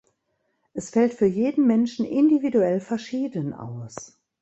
Es fällt für jeden Menschen individuell verschieden aus.